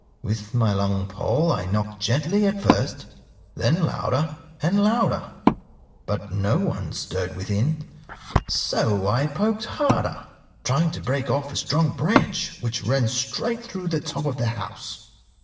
With my long pole I knocked gently at first, then louder and louder, but no one stirred within. So I poked harder, trying to break off a strong branch which ran straight through the top of the house.